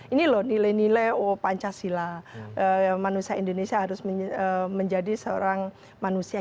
ini loh nilai nilai pancasila manusia indonesia harus menjadi seorang manusia